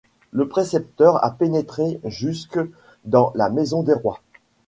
Le précepteur a pénétré jusque dans la maison des rois.